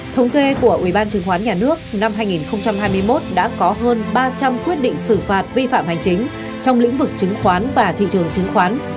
thống kê của ubnd năm hai nghìn hai mươi một đã có hơn ba trăm linh quyết định xử phạt vi phạm hành chính trong lĩnh vực chứng khoán và thị trường chứng khoán